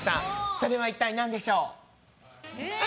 それは一体何でしょう？